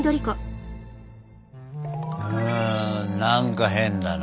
うん何か変だな。